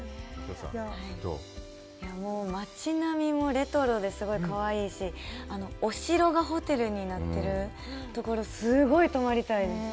もう街並みもレトロですごいかわいいし、お城がホテルになってるところ、すごい泊まりたいです。